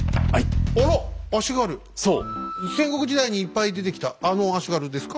戦国時代にいっぱい出てきたあの足軽ですか？